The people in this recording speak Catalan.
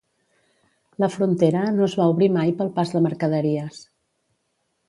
La frontera no es va obrir mai pel pas de mercaderies.